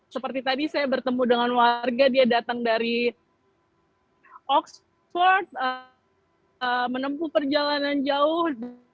seperti tadi saya bertemu dengan warga dia datang dari oxford menempuh perjalanan jauh